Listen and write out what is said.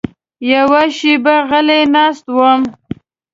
یوه شېبه غلی ناست وم.